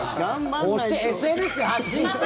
推して、ＳＮＳで発信して。